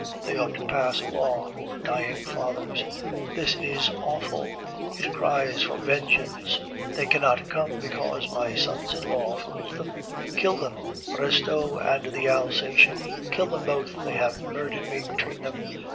They ought to pass a law for dying fathers. This is awful! It cries for vengeance! They cannot come, because my sons in law forbid them!... Kill them!... Restaud and the Alsatian, kill them both! They have murdered me between them!...